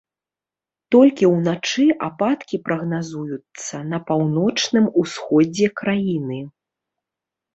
Толькі ўначы ападкі прагназуюцца на паўночным усходзе краіны.